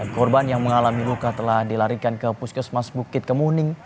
korban yang mengalami luka telah dilarikan ke puskesmas bukit kemuning